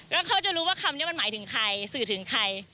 แล้วเขาจะรู้ว่าคำนี้มันหมายถึงใครสื่อถึงใคร